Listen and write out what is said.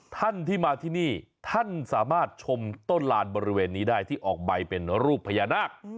ท่านที่มาที่นี่ท่านสามารถชมต้นลานบริเวณนี้ได้ที่ออกใบเป็นรูปพญานาค